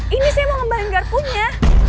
ini saya mau ngembalikan garpunya